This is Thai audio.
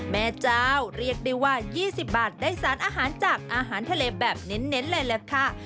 แม่เจ้าเรียกได้ว่า๒๐บาทได้สารอาหารจากอาหารทะเลแบบเน้นเลยแหละค่ะ